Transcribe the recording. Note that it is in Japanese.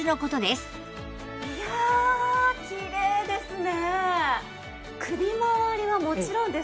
いやあきれいですね。